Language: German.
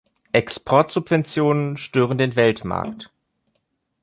Exportsubventionen stören den Weltmarkt.